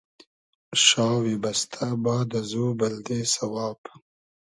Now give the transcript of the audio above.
شاوی بئستۂ باد ازو بلدې سئواب